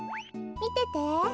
みてて。